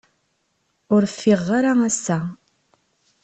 Ur ffiɣeɣ ara ass-a.